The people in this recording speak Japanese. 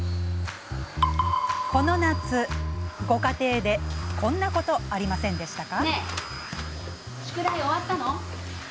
この夏、ご家庭でこんなことありませんでしたか？